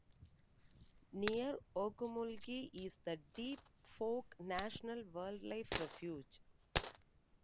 Near Okmulgee is the Deep Fork National Wildlife Refuge.